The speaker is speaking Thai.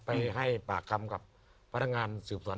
ไปให้ปากกรัมกับพระดังงานสืบสวน